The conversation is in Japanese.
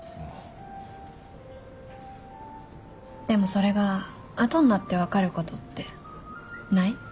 でもそれが後になって分かることってない？